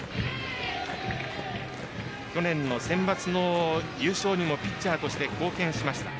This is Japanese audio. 去年のセンバツの優勝にもピッチャーとして貢献しました。